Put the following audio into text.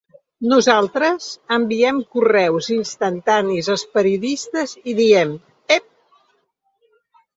Nosaltres enviem correus instantanis als periodistes i diem: Ep!